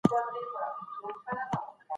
هغه څوک چي وطن پلوري، په اصل کي ځان پلوري.